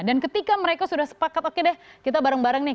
dan ketika mereka sudah sepakat oke deh kita bareng bareng nih